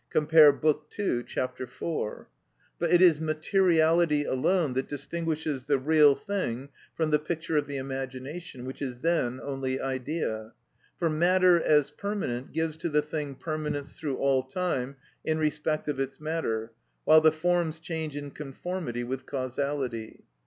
_ Bk. II. ch. iv.) But it is materiality alone that distinguishes the real thing from the picture of the imagination, which is then only idea. For matter, as permanent, gives to the thing permanence through all time, in respect of its matter, while the forms change in conformity with causality.